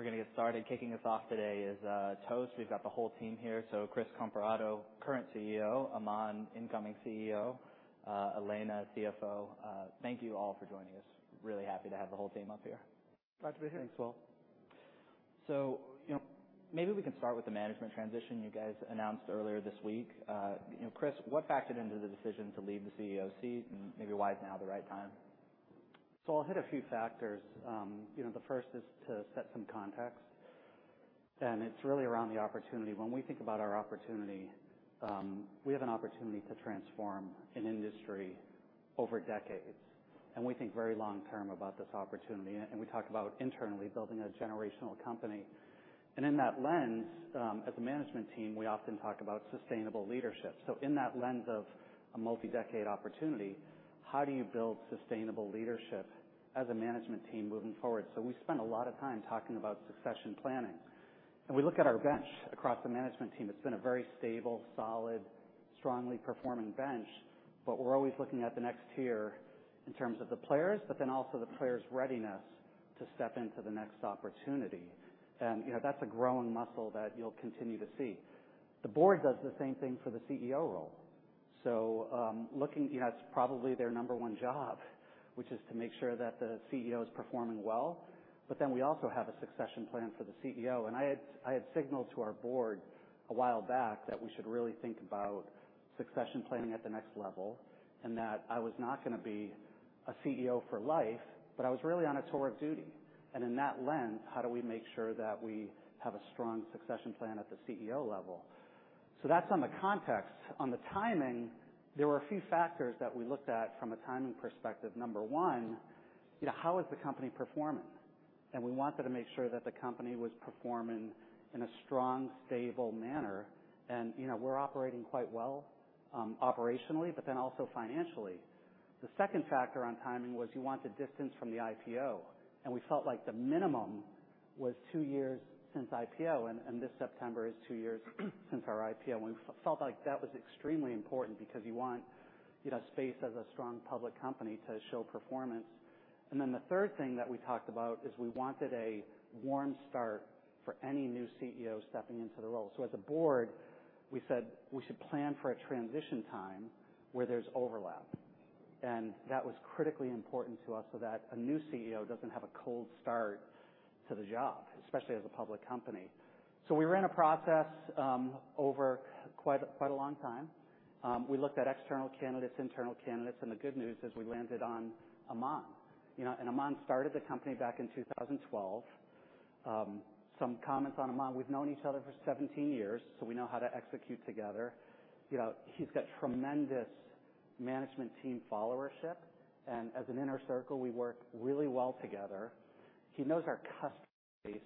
All right. We're gonna get started. Kicking us off today is, Toast. We've got the whole team here. So Chris Comparato, current CEO, Aman, incoming CEO, Elena, CFO. Thank you all for joining us. Really happy to have the whole team up here. Glad to be here. Thanks, Will. You know, maybe we can start with the management transition you guys announced earlier this week. You know, Chris, what factored into the decision to leave the CEO seat, and maybe why is now the right time? I'll hit a few factors. You know, the first is to set some context, and it's really around the opportunity. When we think about our opportunity, we have an opportunity to transform an industry over decades, and we think very long term about this opportunity, and we talk about internally building a generational company. In that lens, as a management team, we often talk about sustainable leadership. In that lens of a multi-decade opportunity, how do you build sustainable leadership as a management team moving forward? We spent a lot of time talking about succession planning, and we look at our bench across the management team. It's been a very stable, solid, strongly performing bench, but we're always looking at the next tier in terms of the players, but then also the players' readiness to step into the next opportunity. And, you know, that's a growing muscle that you'll continue to see. The board does the same thing for the CEO role. So, looking... You know, that's probably their number one job, which is to make sure that the CEO is performing well. But then we also have a succession plan for the CEO, and I had, I had signaled to our board a while back that we should really think about succession planning at the next level, and that I was not gonna be a CEO for life, but I was really on a tour of duty. And in that lens, how do we make sure that we have a strong succession plan at the CEO level? So that's on the context. On the timing, there were a few factors that we looked at from a timing perspective. Number one, you know, how is the company performing? We wanted to make sure that the company was performing in a strong, stable manner. You know, we're operating quite well operationally, but then also financially. The second factor on timing was you want the distance from the IPO, and we felt like the minimum was two years since IPO, and this September is two years since our IPO. And we felt like that was extremely important because you want, you know, space as a strong public company to show performance. And then the third thing that we talked about is we wanted a warm start for any new CEO stepping into the role. So as a board, we said we should plan for a transition time where there's overlap, and that was critically important to us so that a new CEO doesn't have a cold start to the job, especially as a public company. So we ran a process over quite, quite a long time. We looked at external candidates, internal candidates, and the good news is we landed on Aman. You know, Aman started the company back in 2012. Some comments on Aman. We've known each other for 17 years, so we know how to execute together. You know, he's got tremendous management team followership, and as an inner circle, we work really well together. He knows our customer base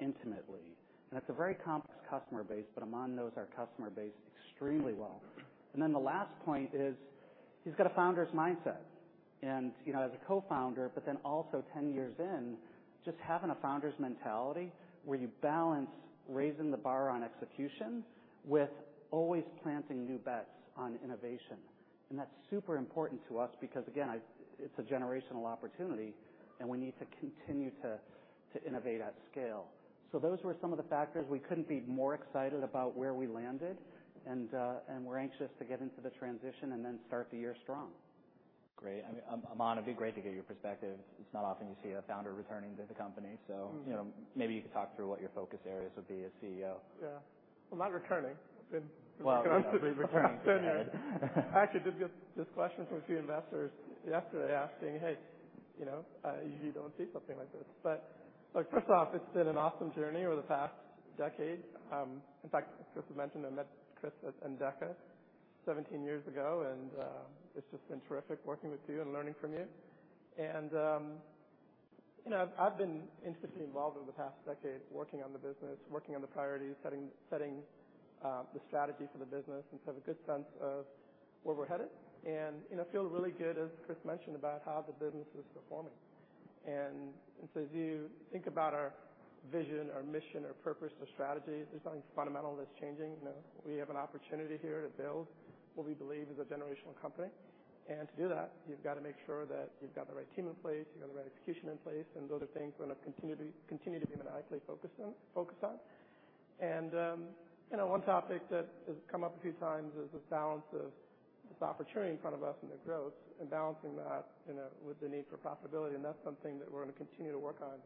intimately, and it's a very complex customer base, but Aman knows our customer base extremely well. Then the last point is he's got a founder's mindset, and, you know, as a co-founder, but then also 10 years in, just having a founder's mentality, where you balance raising the bar on execution with always planting new bets on innovation. That's super important to us because, again, it's a generational opportunity, and we need to continue to innovate at scale. So those were some of the factors. We couldn't be more excited about where we landed, and we're anxious to get into the transition and then start the year strong. Great. I mean, Aman, it'd be great to get your perspective. It's not often you see a founder returning to the company. Mm-hmm. So, you know, maybe you could talk through what your focus areas would be as CEO. Yeah. Well, not returning. I've been- Well, returning. I actually did get this question from a few investors yesterday, asking: "Hey, you know, you don't see something like this." But look, first off, it's been an awesome journey over the past decade. In fact, Chris mentioned I met Chris at Endeca 17 years ago, and it's just been terrific working with you and learning from you. And you know, I've been intimately involved over the past decade working on the business, working on the priorities, setting the strategy for the business and so have a good sense of where we're headed. And you know, feel really good, as Chris mentioned, about how the business is performing. And so as you think about our vision, our mission, our purpose, our strategy, there's nothing fundamental that's changing. You know, we have an opportunity here to build what we believe is a generational company. And to do that, you've got to make sure that you've got the right team in place, you've got the right execution in place, and those are things we're gonna continue to be maniacally focused on. And, you know, one topic that has come up a few times is this balance of this opportunity in front of us and the growth and balancing that, you know, with the need for profitability, and that's something that we're gonna continue to work on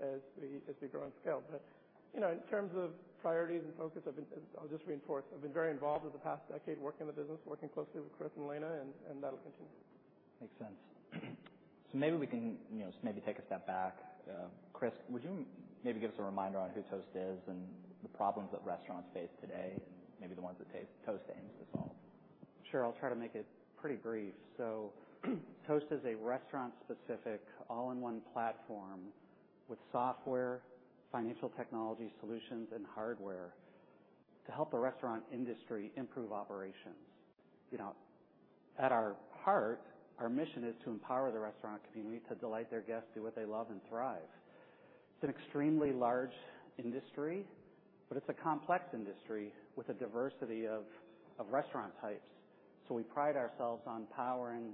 as we grow and scale. But, you know, in terms of priorities and focus, I've been. I'll just reinforce, I've been very involved with the past decade, working in the business, working closely with Chris and Elena, and that'll continue. Makes sense. So maybe we can, you know, maybe take a step back. Chris, would you maybe give us a reminder on who Toast is and the problems that restaurants face today, and maybe the ones that Taste- Toast aims to solve? Sure, I'll try to make it pretty brief. So Toast is a restaurant-specific, all-in-one platform with software, financial technology solutions, and hardware to help the restaurant industry improve operations. You know, at our heart, our mission is to empower the restaurant community to delight their guests, do what they love, and thrive. It's an extremely large industry, but it's a complex industry with a diversity of restaurant types. So we pride ourselves on powering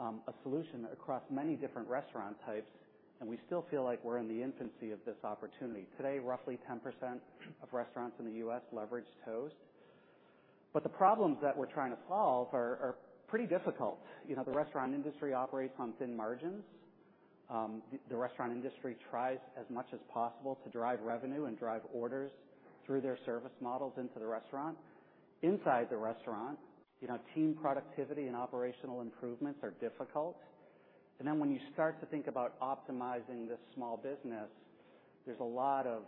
a solution across many different restaurant types, and we still feel like we're in the infancy of this opportunity. Today, roughly 10% of restaurants in the U.S. leverage Toast. But the problems that we're trying to solve are pretty difficult. You know, the restaurant industry operates on thin margins. The restaurant industry tries as much as possible to drive revenue and drive orders through their service models into the restaurant. Inside the restaurant, you know, team productivity and operational improvements are difficult. And then when you start to think about optimizing this small business, there's a lot of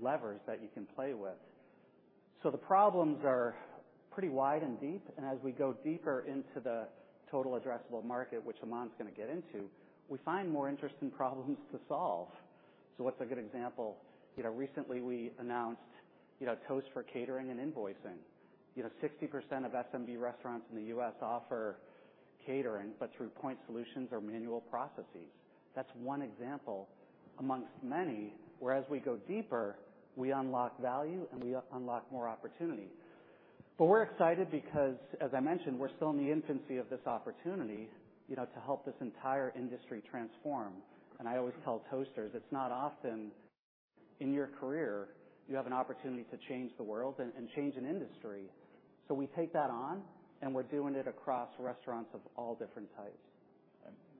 levers that you can play with. So the problems are pretty wide and deep, and as we go deeper into the total addressable market, which Aman's gonna get into, we find more interesting problems to solve. So what's a good example? You know, recently we announced, you know, Toast for catering and invoicing. You know, 60% of SMB restaurants in the U.S. offer catering, but through point solutions or manual processes. That's one example amongst many, where as we go deeper, we unlock value, and we unlock more opportunity. But we're excited because, as I mentioned, we're still in the infancy of this opportunity, you know, to help this entire industry transform. I always tell Toasters, "It's not often in your career you have an opportunity to change the world and change an industry." So we take that on, and we're doing it across restaurants of all different types.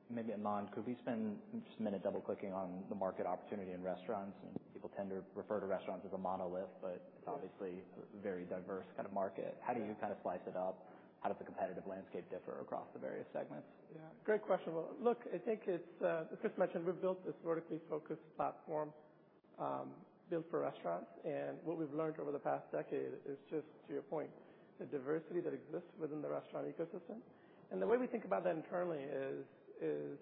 Maybe, Aman, could we spend just a minute double-clicking on the market opportunity in restaurants? People tend to refer to restaurants as a monolith, but it's obviously a very diverse kind of market. How do you kind of slice it up? How does the competitive landscape differ across the various segments? Yeah, great question. Well, look, I think it's, as Chris mentioned, we've built this vertically focused platform, built for restaurants, and what we've learned over the past decade is just to your point, the diversity that exists within the restaurant ecosystem. The way we think about that internally is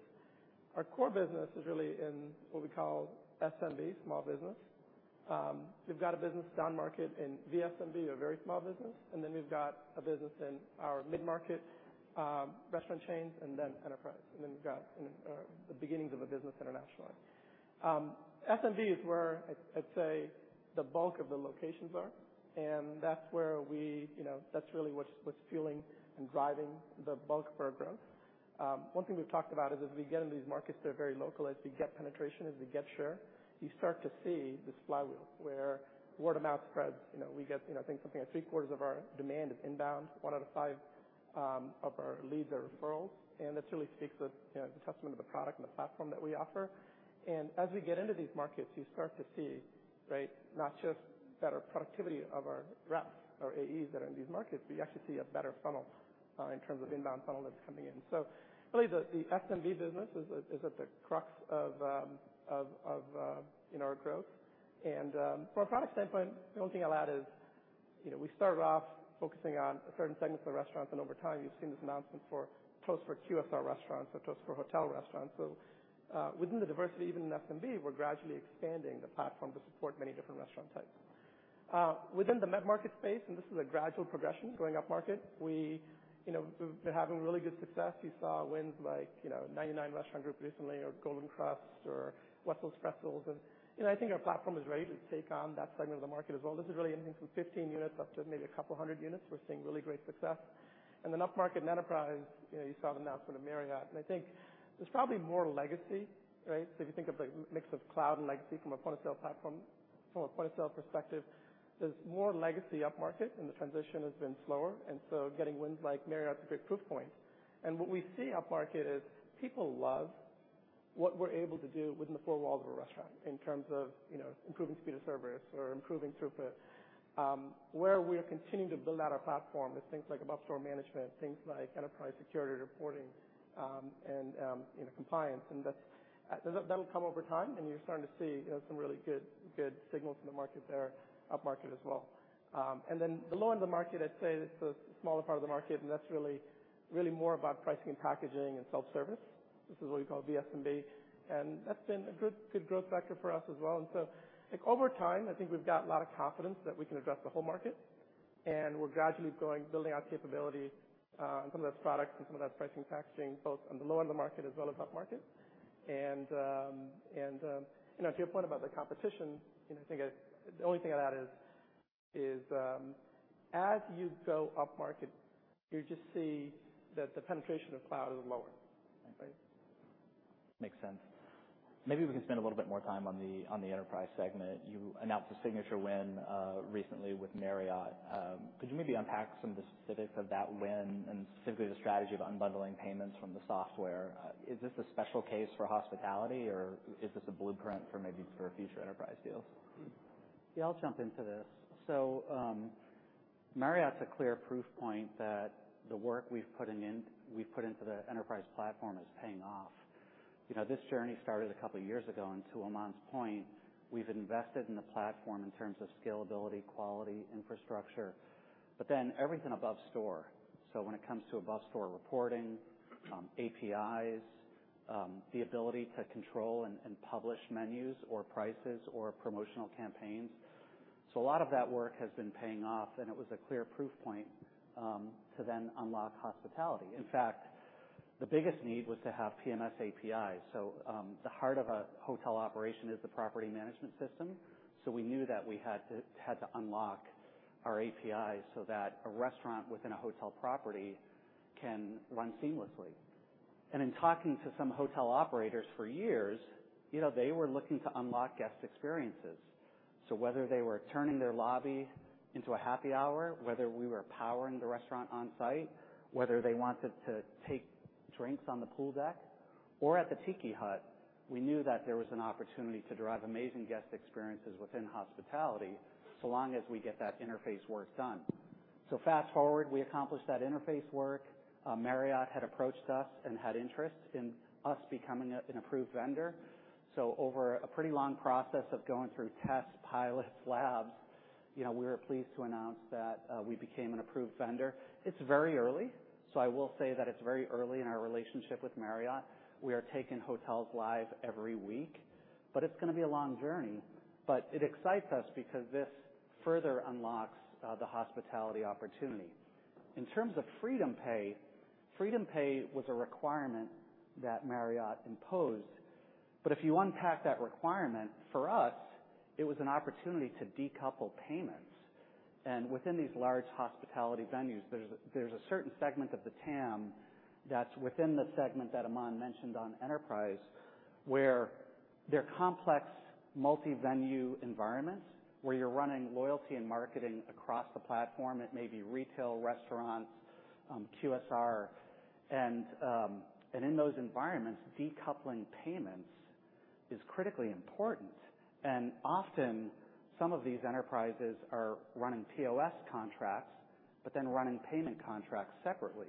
our core business is really in what we call SMB, small business. We've got a business downmarket in vSMB, or very small business, and then we've got a business in our mid-market, restaurant chains and then enterprise, and then we've got in the beginnings of a business internationally. SMB is where I'd say the bulk of the locations are, and that's where we, you know, that's really what's fueling and driving the bulk of our growth. One thing we've talked about is as we get into these markets that are very local, as we get penetration, as we get share, you start to see this flywheel, where word of mouth spreads. You know, we get, you know, I think something like three-quarters of our demand is inbound. One out of five of our leads are referrals, and this really speaks with, you know, a testament of the product and the platform that we offer. And as we get into these markets, you start to see, right, not just better productivity of our reps or AEs that are in these markets, but you actually see a better funnel in terms of inbound funnel that's coming in. So really, the SMB business is at the crux of, you know, our growth. From a product standpoint, the only thing I'll add is, you know, we started off focusing on a certain segment of the restaurant, and over time, you've seen this announcement for Toast for QSR restaurants or Toast for hotel restaurants. So, within the diversity, even in SMB, we're gradually expanding the platform to support many different restaurant types. Within the mid-market space, and this is a gradual progression going upmarket, we, you know, we've been having really good success. You saw wins like, you know, Ninety Nine Restaurants recently, or Golden Krust or Whataburger, and, you know, I think our platform is ready to take on that segment of the market as well. This is really anything from 15 units up to maybe a couple hundred units. We're seeing really great success. And then upmarket and enterprise, you know, you saw the announcement of Marriott, and I think there's probably more legacy, right? So if you think of the mix of cloud and legacy from a point of sale platform, from a point of sale perspective, there's more legacy upmarket, and the transition has been slower, and so getting wins like Marriott is a big proof point. And what we see upmarket is people love what we're able to do within the four walls of a restaurant in terms of, you know, improving speed of service or improving throughput. Where we are continuing to build out our platform is things like above store management, things like enterprise security reporting, and, you know, compliance, and that's. That'll come over time, and you're starting to see, you know, some really good, good signals in the market there, upmarket as well. And then the low end of the market, I'd say, that's a smaller part of the market, and that's really, really more about pricing and packaging and self-service. This is what we call vSMB, and that's been a good, good growth factor for us as well. And so I think over time, I think we've got a lot of confidence that we can address the whole market, and we're gradually going, building out capability on some of that product and some of that pricing and packaging, both on the low end of the market as well as upmarket. And, you know, to your point about the competition, you know, I think the only thing I'd add is, as you go upmarket, you just see that the penetration of cloud is lower, right? Makes sense. Maybe we can spend a little bit more time on the enterprise segment. You announced a signature win recently with Marriott. Could you maybe unpack some of the specifics of that win and specifically the strategy of unbundling payments from the software? Is this a special case for hospitality, or is this a blueprint for maybe for future enterprise deals? Yeah, I'll jump into this. So, Marriott's a clear proof point that the work we've put into the enterprise platform is paying off. You know, this journey started a couple of years ago, and to Aman's point, we've invested in the platform in terms of scalability, quality, infrastructure, but then everything above store. So when it comes to above store reporting, APIs, the ability to control and publish menus or prices or promotional campaigns. So a lot of that work has been paying off, and it was a clear proof point to then unlock hospitality. In fact, the biggest need was to have PMS APIs. So, the heart of a hotel operation is the property management system, so we knew that we had to unlock our APIs so that a restaurant within a hotel property can run seamlessly. In talking to some hotel operators for years, you know, they were looking to unlock guest experiences. Whether they were turning their lobby into a happy hour, whether we were powering the restaurant on site, whether they wanted to take drinks on the pool deck or at the tiki hut, we knew that there was an opportunity to drive amazing guest experiences within hospitality, so long as we get that interface work done. Fast forward, we accomplished that interface work. Marriott had approached us and had interest in us becoming an approved vendor. Over a pretty long process of going through tests, pilots, labs, you know, we were pleased to announce that we became an approved vendor. It's very early, so I will say that it's very early in our relationship with Marriott. We are taking hotels live every week, but it's gonna be a long journey. But it excites us because this further unlocks the hospitality opportunity. In terms of FreedomPay, FreedomPay was a requirement that Marriott imposed, but if you unpack that requirement, for us, it was an opportunity to decouple payments. And within these large hospitality venues, there's a certain segment of the TAM that's within the segment that Aman mentioned on enterprise, where they're complex, multi-venue environments, where you're running loyalty and marketing across the platform. It may be retail, restaurants, QSR. And in those environments, decoupling payments is critically important. And often, some of these enterprises are running POS contracts, but then running payment contracts separately.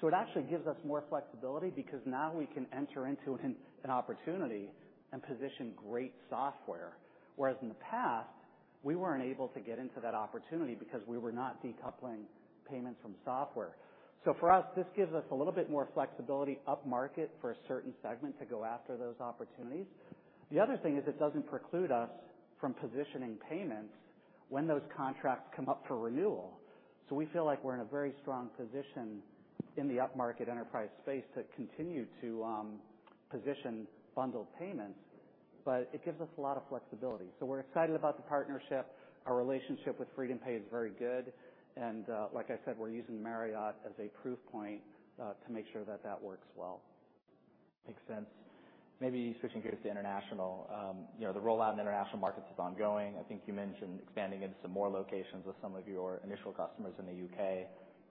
So it actually gives us more flexibility because now we can enter into an opportunity and position great software, whereas in the past, we weren't able to get into that opportunity because we were not decoupling payments from software. So for us, this gives us a little bit more flexibility upmarket for a certain segment to go after those opportunities. The other thing is it doesn't preclude us from positioning payments when those contracts come up for renewal. So we feel like we're in a very strong position in the upmarket enterprise space to continue to position bundled payments, but it gives us a lot of flexibility. So we're excited about the partnership. Our relationship with FreedomPay is very good, and like I said, we're using Marriott as a proof point to make sure that that works well. Makes sense. Maybe switching gears to international. You know, the rollout in international markets is ongoing. I think you mentioned expanding into some more locations with some of your initial customers in the U.K.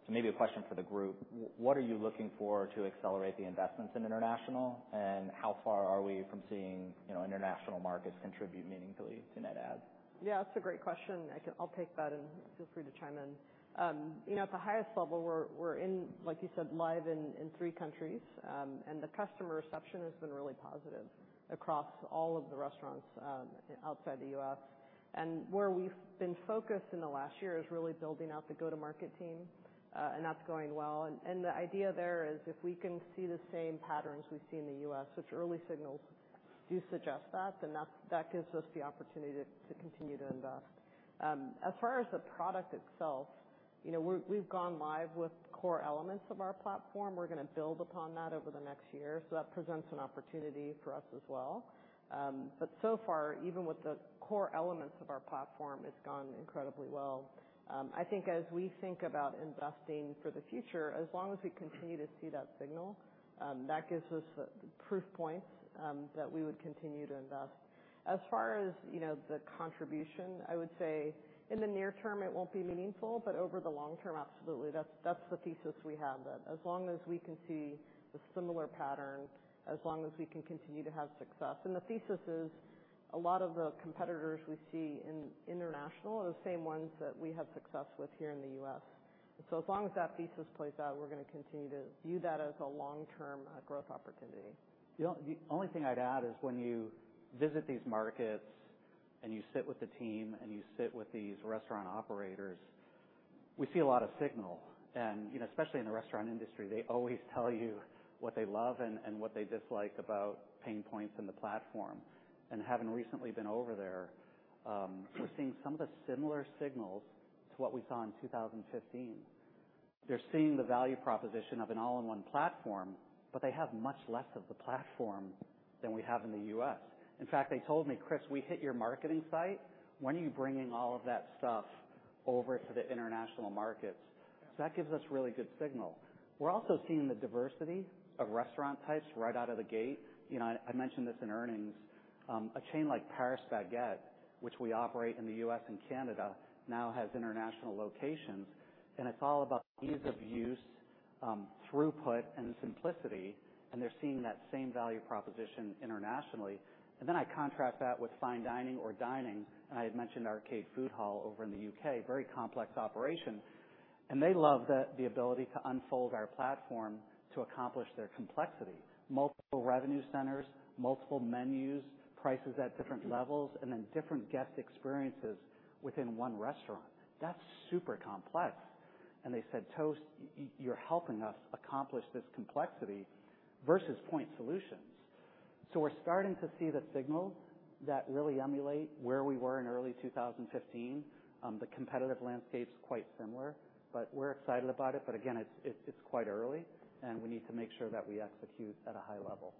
So maybe a question for the group, what are you looking for to accelerate the investments in international, and how far are we from seeing, you know, international markets contribute meaningfully to net adds? Yeah, that's a great question. I can-- I'll take that, and feel free to chime in. You know, at the highest level, we're, we're in, like you said, live in, in three countries. The customer reception has been really positive across all of the restaurants outside the U.S. Where we've been focused in the last year is really building out the go-to-market team, and that's going well. The idea there is if we can see the same patterns we see in the U.S., which early signals do suggest that, then that gives us the opportunity to continue to invest. As far as the product itself, you know, we've gone live with core elements of our platform. We're gonna build upon that over the next year, so that presents an opportunity for us as well. But so far, even with the core elements of our platform, it's gone incredibly well. I think as we think about investing for the future, as long as we continue to see that signal, that gives us proof points, that we would continue to invest. As far as, you know, the contribution, I would say, in the near term, it won't be meaningful, but over the long term, absolutely. That's, that's the thesis we have, that as long as we can see the similar pattern, as long as we can continue to have success. And the thesis is a lot of the competitors we see in international are the same ones that we have success with here in the U.S. And so as long as that thesis plays out, we're gonna continue to view that as a long-term, growth opportunity. The only thing I'd add is when you visit these markets and you sit with the team and you sit with these restaurant operators, we see a lot of signal. And, you know, especially in the restaurant industry, they always tell you what they love and, and what they dislike about pain points in the platform. And having recently been over there, we're seeing some of the similar signals to what we saw in 2015. They're seeing the value proposition of an all-in-one platform, but they have much less of the platform than we have in the U.S. In fact, they told me, "Chris, we hit your marketing site. When are you bringing all of that stuff over to the international markets?" So that gives us really good signal. We're also seeing the diversity of restaurant types right out of the gate. You know, I mentioned this in earnings. A chain like Paris Baguette, which we operate in the U.S. and Canada, now has international locations, and it's all about ease of use, throughput, and simplicity, and they're seeing that same value proposition internationally. And then I contrast that with fine dining or dining, and I had mentioned Arcade Food Hall over in the U.K., very complex operation, and they love the ability to unfold our platform to accomplish their complexity. Multiple revenue centers, multiple menus, prices at different levels, and then different guest experiences within one restaurant. That's super complex. And they said, "Toast, you're helping us accomplish this complexity versus point solutions." So we're starting to see the signals that really emulate where we were in early 2015. The competitive landscape's quite similar, but we're excited about it. But again, it's quite early, and we need to make sure that we execute at a high level.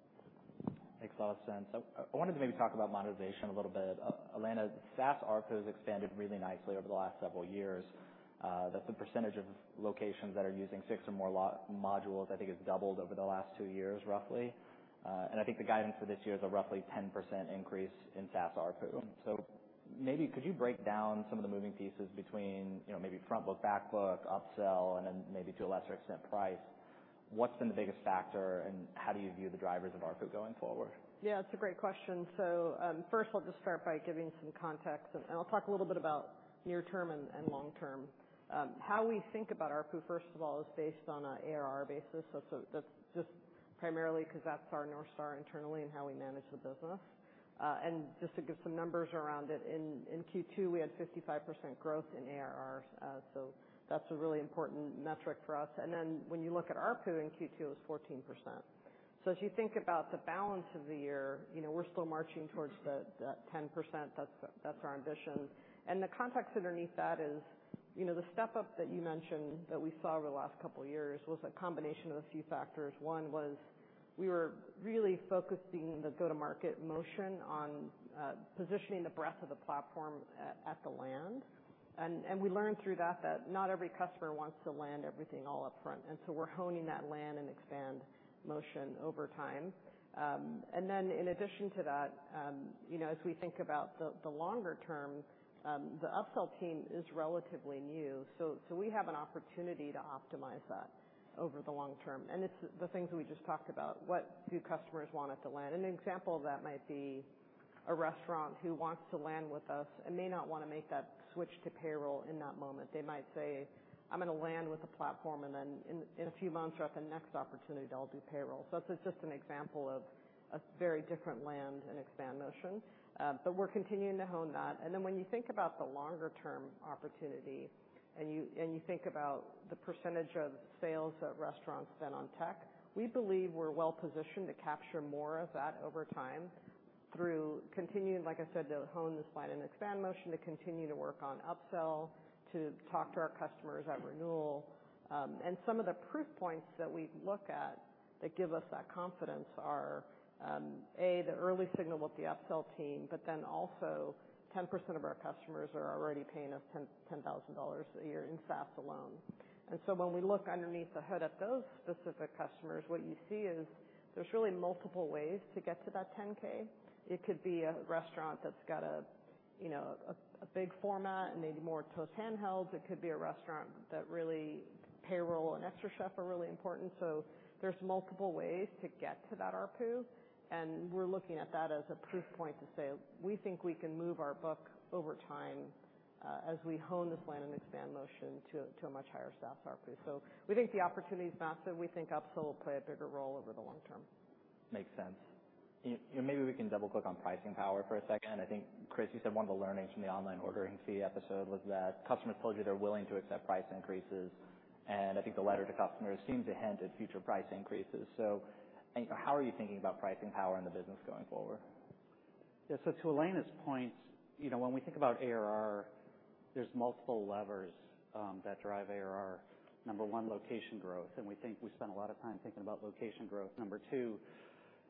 Makes a lot of sense. So I wanted to maybe talk about monetization a little bit. Elena, SaaS ARPU has expanded really nicely over the last several years. The percentage of locations that are using six or more modules, I think, has doubled over the last two years, roughly. And I think the guidance for this year is a roughly 10% increase in SaaS ARPU. So maybe could you break down some of the moving pieces between, you know, maybe frontload, backload, upsell, and then maybe to a lesser extent, price? What's been the biggest factor, and how do you view the drivers of ARPU going forward? Yeah, it's a great question. So, first, I'll just start by giving some context, and I'll talk a little bit about near term and long term. How we think about ARPU, first of all, is based on a ARR basis. That's just primarily 'cause that's our North Star internally and how we manage the business. And just to give some numbers around it, in Q2, we had 55% growth in ARR. So that's a really important metric for us. And then, when you look at ARPU in Q2, it was 14%. So as you think about the balance of the year, you know, we're still marching towards that 10%. That's our ambition. And the context underneath that is, you know, the step up that you mentioned, that we saw over the last couple of years, was a combination of a few factors. One was we were really focusing the go-to-market motion on positioning the breadth of the platform at the land. And we learned through that, that not every customer wants to land everything all up front, and so we're honing that land and expand motion over time. And then in addition to that, you know, as we think about the longer term, the upsell team is relatively new, so we have an opportunity to optimize that over the long term. And it's the things we just talked about. What do customers want us to land? And an example of that might be a restaurant who wants to land with us and may not wanna make that switch to payroll in that moment. They might say, "I'm gonna land with the platform, and then in a few months, or at the next opportunity, I'll do payroll." So it's just an example of a very different land and expand motion. But we're continuing to hone that. And then, when you think about the longer term opportunity, and you think about the percentage of sales that restaurants spend on tech, we believe we're well positioned to capture more of that over time through continuing, like I said, to hone this land and expand motion, to continue to work on upsell, to talk to our customers at renewal. And some of the proof points that we look at that give us that confidence are, A, the early signal with the upsell team, but then also 10% of our customers are already paying us $10,000 a year in SaaS alone. And so when we look underneath the hood at those specific customers, what you see is there's really multiple ways to get to that 10K. It could be a restaurant that's got a, you know, a big format and maybe more Toast handhelds. It could be a restaurant that really payroll and xtraCHEF are really important. So there's multiple ways to get to that ARPU, and we're looking at that as a proof point to say we think we can move our book over time, as we hone this land and expand motion to a much higher SaaS ARPU. So we think the opportunity is massive. We think upsell will play a bigger role over the long term. Makes sense. And maybe we can double click on pricing power for a second. I think, Chris, you said one of the learnings from the online ordering fee episode was that customers told you they're willing to accept price increases, and I think the letter to customers seems to hint at future price increases. So, how are you thinking about pricing power in the business going forward? Yeah. So to Elena's point, you know, when we think about ARR, there's multiple levers that drive ARR. Number one, location growth, and we think we spend a lot of time thinking about location growth. Number two,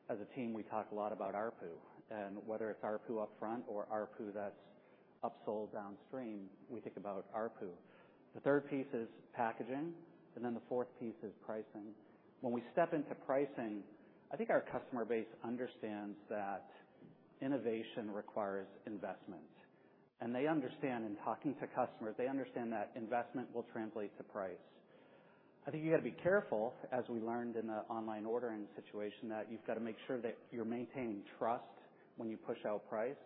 as a team, we talk a lot about ARPU, and whether it's ARPU upfront or ARPU that's upsold downstream, we think about ARPU. The third piece is packaging, and then the fourth piece is pricing. When we step into pricing, I think our customer base understands that innovation requires investment, and they understand, in talking to customers, they understand that investment will translate to price. I think you've got to be careful, as we learned in the online ordering situation, that you've got to make sure that you're maintaining trust when you push out price.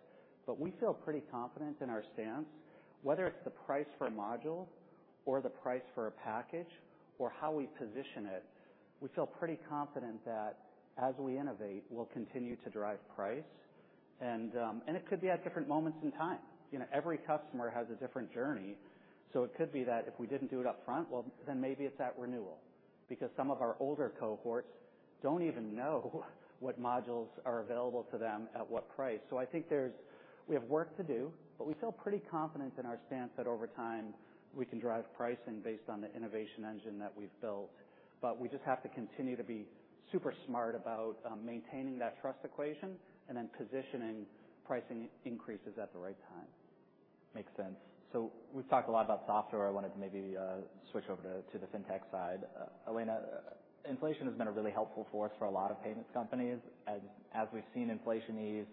But we feel pretty confident in our stance, whether it's the price for a module or the price for a package or how we position it, we feel pretty confident that as we innovate, we'll continue to drive price. And, and it could be at different moments in time. You know, every customer has a different journey, so it could be that if we didn't do it up front, well, then maybe it's at renewal, because some of our older cohorts don't even know what modules are available to them at what price. So I think there's work to do, but we feel pretty confident in our stance that over time, we can drive pricing based on the innovation engine that we've built. But we just have to continue to be super smart about maintaining that trust equation and then positioning pricing increases at the right time. Makes sense. So we've talked a lot about software. I wanted to maybe switch over to the fintech side. Elena, inflation has been a really helpful force for a lot of payments companies. As we've seen inflation ease,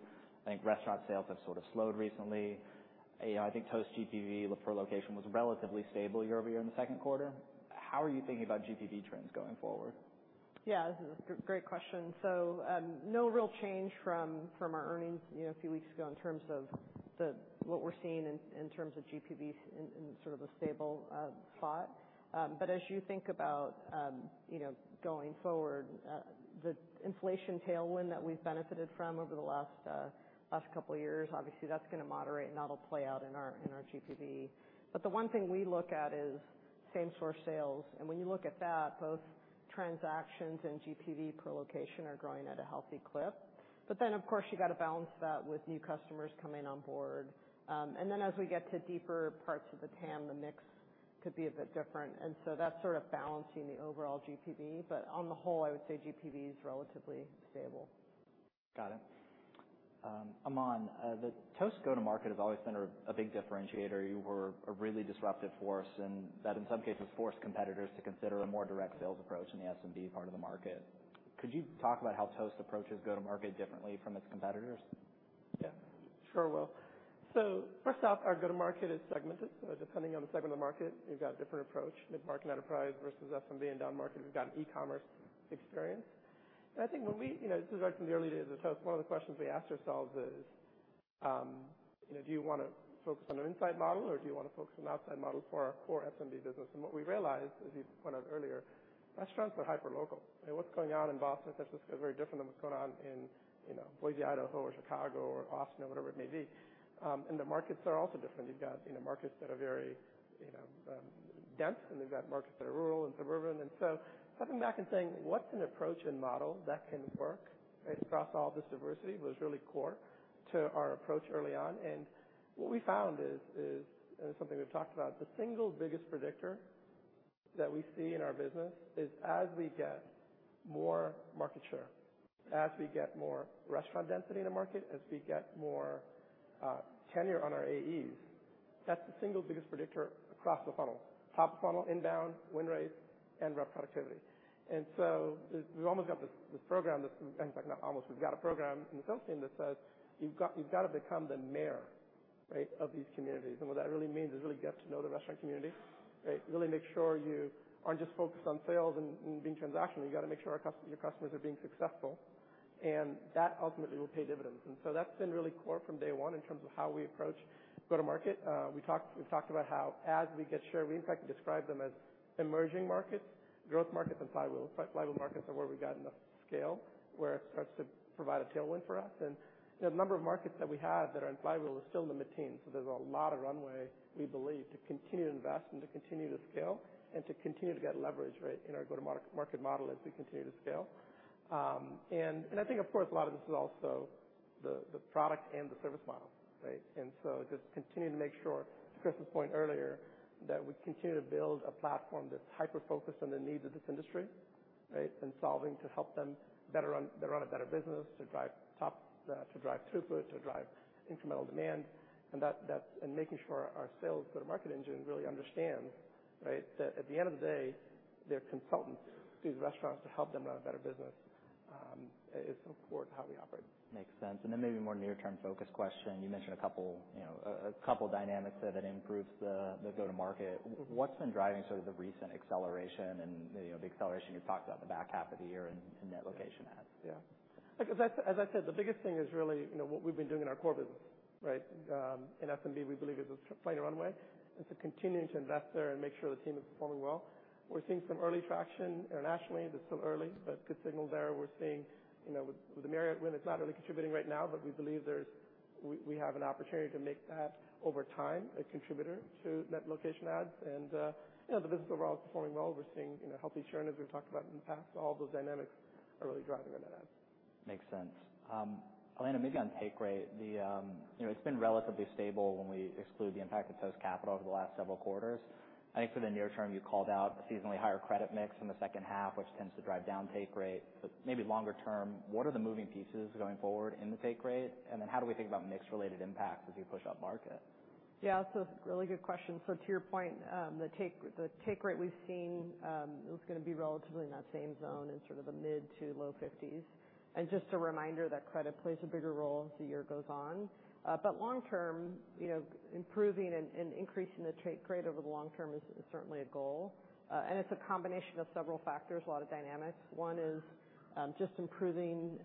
I think restaurant sales have sort of slowed recently. You know, I think Toast GPV per location was relatively stable year-over-year in the second quarter. How are you thinking about GPV trends going forward? Yeah, this is a great question. So, no real change from, from our earnings, you know, a few weeks ago in terms of the, what we're seeing in, in terms of GPV in, in sort of a stable spot. But as you think about, you know, going forward, the inflation tailwind that we've benefited from over the last, last couple of years, obviously, that's gonna moderate, and that'll play out in our, in our GPV. But the one thing we look at is same-store sales. And when you look at that, both transactions and GPV per location are growing at a healthy clip. But then, of course, you got to balance that with new customers coming on board. And then as we get to deeper parts of the TAM, the mix could be a bit different. And so that's sort of balancing the overall GPV, but on the whole, I would say GPV is relatively stable. Got it. Aman, the Toast go-to-market has always been a big differentiator. You were a really disruptive force, and that, in some cases, forced competitors to consider a more direct sales approach in the SMB part of the market. Could you talk about how Toast approaches go-to-market differently from its competitors? Yeah, sure will. So first off, our go-to-market is segmented. So depending on the segment of market, we've got a different approach. Mid-market enterprise versus SMB and down-market, we've got an e-commerce experience. And I think when we, you know, this is right from the early days of Toast, one of the questions we asked ourselves is, you know, "Do you want to focus on an inside model, or do you want to focus on an outside model for our core SMB business?" And what we realized, as you pointed out earlier, restaurants are hyperlocal, and what's going on in Boston, San Francisco, is very different than what's going on in, you know, Boise, Idaho, or Chicago or Austin or whatever it may be. And the markets are also different. You've got, you know, markets that are very, you know, dense, and you've got markets that are rural and suburban. So stepping back and saying, "What's an approach and model that can work across all this diversity?" was really core to our approach early on. And what we found is, and it's something we've talked about, the single biggest predictor that we see in our business is as we get more market share, as we get more restaurant density in the market, as we get more tenure on our AEs, that's the single biggest predictor across the funnel. Top of funnel, inbound, win rate, and rep productivity. And so we've almost got this program that's, in fact, not almost, we've got a program in the sales team that says, "You've got, you've got to become the mayor, right, of these communities." And what that really means is really get to know the restaurant community, right? Really make sure you aren't just focused on sales and, and being transactional. You've got to make sure our customers, your customers are being successful, and that ultimately will pay dividends. And so that's been really core from day one in terms of how we approach go-to-market. We talked about how as we get share, we in fact describe them as emerging markets, growth markets, and flywheel. Flywheel markets are where we've got enough scale, where it starts to provide a tailwind for us. And the number of markets that we have that are in flywheel is still in the teens, so there's a lot of runway, we believe, to continue to invest and to continue to scale and to continue to get leverage, right, in our go-to-market model as we continue to scale. And I think, of course, a lot of this is also the product and the service model, right? And so just continuing to make sure, to Chris's point earlier, that we continue to build a platform that's hyper-focused on the needs of this industry, right, and solving to help them better run a better business, to drive top, to drive throughput, to drive incremental demand, and that, that... Making sure our sales go-to-market engine really understands, right, that at the end of the day, they're consultants to these restaurants to help them run a better business is important to how we operate. Makes sense. Maybe a more near-term focused question. You mentioned a couple, you know, dynamics that improves the go-to-market. What's been driving sort of the recent acceleration and, you know, the acceleration you talked about in the back half of the year in net location adds? Yeah. Like, as I, as I said, the biggest thing is really, you know, what we've been doing in our core business, right? In SMB, we believe there's a plenty of runway, and so continuing to invest there and make sure the team is performing well. We're seeing some early traction internationally. It's still early, but good signals there. We're seeing, you know, with, with Marriott, when it's not really contributing right now, but we believe there's. We, we have an opportunity to make that, over time, a contributor to net location adds. And, you know, the business overall is performing well. We're seeing, you know, healthy churn, as we've talked about in the past. All those dynamics are really driving the net adds. Makes sense. Elena, maybe on take rate, you know, it's been relatively stable when we exclude the impact of Toast Capital over the last several quarters. I think for the near term, you called out a seasonally higher credit mix in the second half, which tends to drive down take rate. But maybe longer term, what are the moving pieces going forward in the take rate? And then how do we think about mix-related impacts as you push up market? Yeah, so really good question. So to your point, the take, the take rate we've seen, is going to be relatively in that same zone in sort of the mid- to low 50s%. And just a reminder that credit plays a bigger role as the year goes on. But long term, you know, improving and, and increasing the take rate over the long term is, is certainly a goal. And it's a combination of several factors, a lot of dynamics. One is, just improving,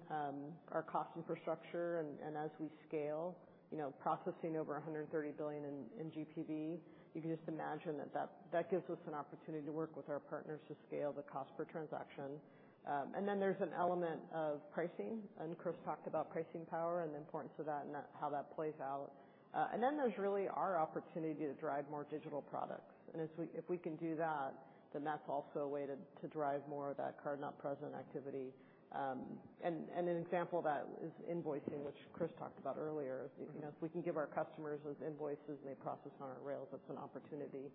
our cost infrastructure, and, and as we scale, you know, processing over $130 billion in, in GPV, you can just imagine that, that, that gives us an opportunity to work with our partners to scale the cost per transaction. And then there's an element of pricing, and Chris talked about pricing power and the importance of that and that, how that plays out. And then there's really our opportunity to drive more digital products. And if we can do that, then that's also a way to drive more of that card-not-present activity. And an example of that is invoicing, which Chris talked about earlier. You know, if we can give our customers those invoices, and they process on our rails, that's an opportunity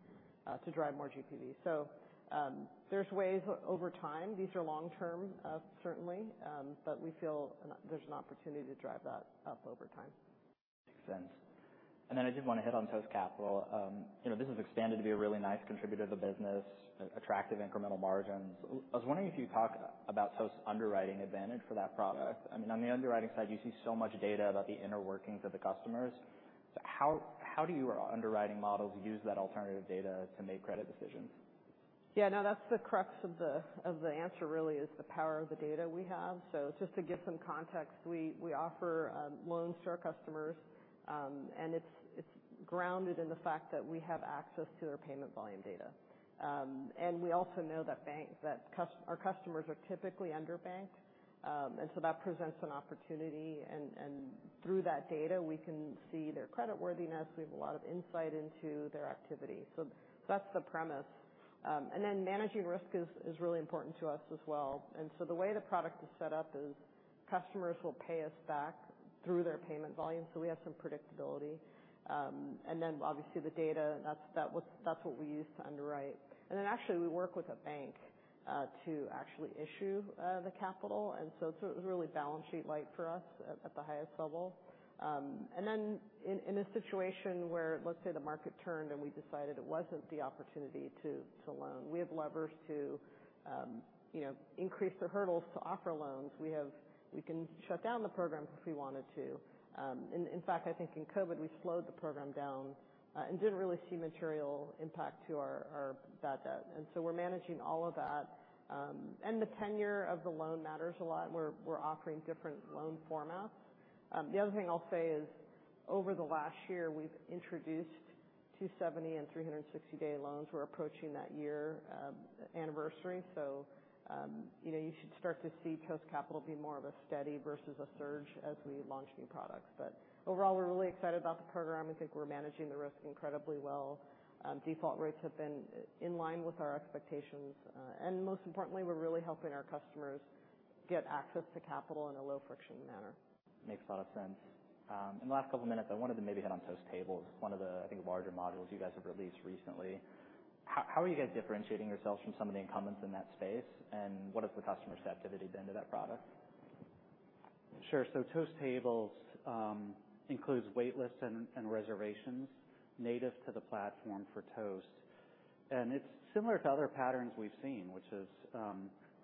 to drive more GPV. So, there's ways over time, these are long term, certainly, but we feel there's an opportunity to drive that up over time. Makes sense. Then I did want to hit on Toast Capital. You know, this has expanded to be a really nice contributor to the business, attractive incremental margins. I was wondering if you could talk about Toast's underwriting advantage for that product. I mean, on the underwriting side, you see so much data about the inner workings of the customers. So how, how do your underwriting models use that alternative data to make credit decisions? Yeah, no, that's the crux of the answer, really, is the power of the data we have. So just to give some context, we offer loans to our customers, and it's grounded in the fact that we have access to their payment volume data. And we also know our customers are typically underbanked, and so that presents an opportunity, and through that data, we can see their creditworthiness. We have a lot of insight into their activity. So that's the premise. And then managing risk is really important to us as well. And so the way the product is set up is customers will pay us back through their payment volume, so we have some predictability. And then obviously the data, that's what we use to underwrite. And then actually, we work with a bank to actually issue the capital, and so it's really balance sheet light for us at the highest level. And then in a situation where, let's say, the market turned and we decided it wasn't the opportunity to loan, we have levers to, you know, increase the hurdles to offer loans. We can shut down the program if we wanted to. In fact, I think in COVID, we slowed the program down and didn't really see material impact to our bad debt. And so we're managing all of that. And the tenure of the loan matters a lot, and we're offering different loan formats. The other thing I'll say is, over the last year, we've introduced 270- and 360-day loans. We're approaching that year anniversary. So, you know, you should start to see Toast Capital be more of a steady versus a surge as we launch new products. But overall, we're really excited about the program. We think we're managing the risk incredibly well. Default rates have been in line with our expectations, and most importantly, we're really helping our customers get access to capital in a low-friction manner. Makes a lot of sense. In the last couple minutes, I wanted to maybe hit on Toast Tables, one of the, I think, larger modules you guys have released recently. How are you guys differentiating yourselves from some of the incumbents in that space, and what has the customer acceptability been to that product? Sure. So Toast Tables includes wait lists and reservations native to the platform for Toast. It's similar to other patterns we've seen, which is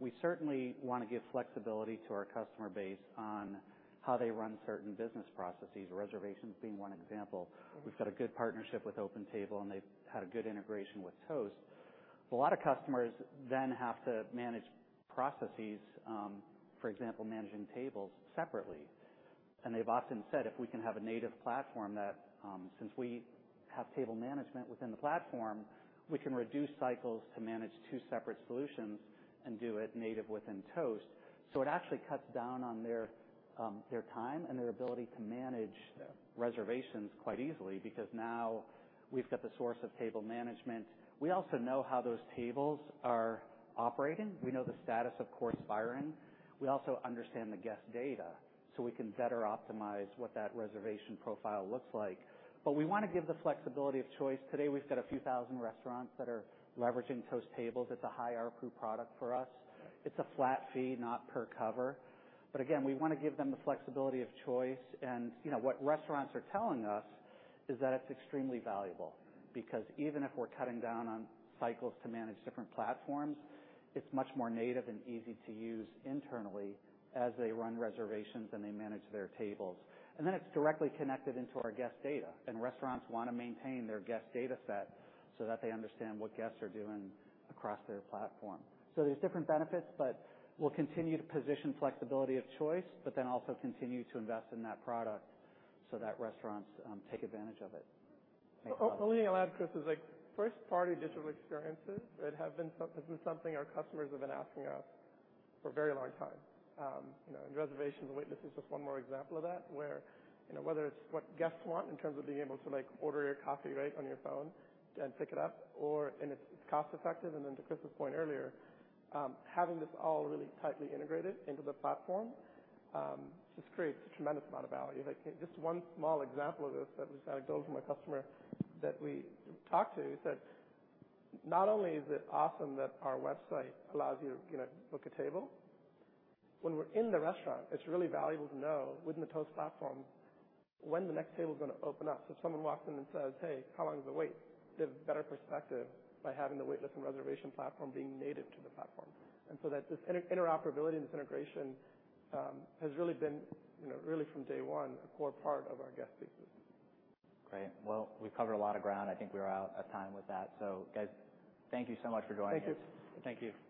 we certainly want to give flexibility to our customer base on how they run certain business processes, reservations being one example. We've got a good partnership with OpenTable, and they've had a good integration with Toast. But a lot of customers then have to manage processes, for example, managing tables separately. They've often said, if we can have a native platform that, since we have table management within the platform, we can reduce cycles to manage two separate solutions and do it native within Toast. So it actually cuts down on their time and their ability to manage reservations quite easily, because now we've got the source of table management. We also know how those tables are operating. We know the status, of course, firing. We also understand the guest data, so we can better optimize what that reservation profile looks like. But we want to give the flexibility of choice. Today, we've got a few thousand restaurants that are leveraging Toast Tables. It's a high ARPU product for us. It's a flat fee, not per cover. But again, we want to give them the flexibility of choice, and, you know, what restaurants are telling us is that it's extremely valuable because even if we're cutting down on cycles to manage different platforms, it's much more native and easy to use internally as they run reservations and they manage their tables. And then it's directly connected into our guest data, and restaurants want to maintain their guest data set so that they understand what guests are doing across their platform. So there's different benefits, but we'll continue to position flexibility of choice, but then also continue to invest in that product so that restaurants take advantage of it. Makes sense. Only to add, Chris, is like first-party digital experiences. This is something our customers have been asking us for a very long time. You know, and reservations and waitlist is just one more example of that, where, you know, whether it's what guests want in terms of being able to, like, order your coffee right on your phone and pick it up or... And it's cost effective. And then to Chris's point earlier, having this all really tightly integrated into the platform just creates a tremendous amount of value. Like, just one small example of this that was an anecdote from a customer that we talked to, said, "Not only is it awesome that our website allows you to, you know, book a table, when we're in the restaurant, it's really valuable to know, within the Toast platform, when the next table is going to open up." So if someone walks in and says, "Hey, how long is the wait?" They have a better perspective by having the wait list and reservation platform being native to the platform. And so that, this interoperability and this integration has really been, you know, really from day one, a core part of our guest thesis. Great. Well, we've covered a lot of ground. I think we are out of time with that. So guys, thank you so much for joining us. Thank you. Thank you.